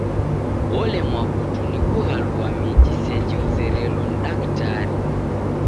Olemwa putu ni kughalua miji seji uzerelo ni daktari.